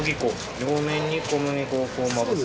両面に小麦粉をこうまぶす？